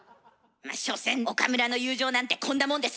所詮岡村の友情なんてこんなもんです。